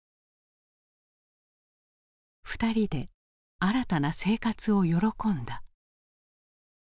２人で新たな生活を喜んだ。